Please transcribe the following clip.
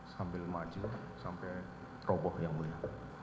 sambil maju sampai roboh yang mulia